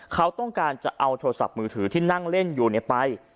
เขาต้องการจะเอาโทรศัพท์มือถือที่นั่งเล่นอยู่ไป